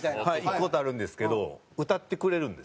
行く事あるんですけど歌ってくれるんですよ入れたら。